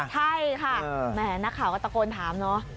ใช่ค่ะแหมนักข่าวก็ตะโกนถามเนาะ